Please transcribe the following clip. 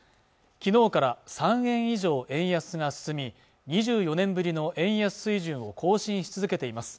昨日から３円以上円安が進み２４年ぶりの円安水準を更新し続けています